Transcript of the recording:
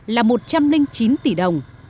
là một trăm linh chín tỷ đồng